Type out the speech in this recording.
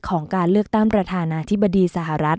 การเลือกตั้งประธานาธิบดีสหรัฐ